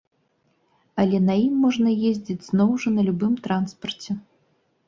Але на ім можна ездзіць зноў жа на любым транспарце.